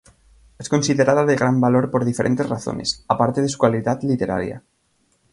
Es considerada de gran valor por diferentes razones, aparte de su calidad literaria.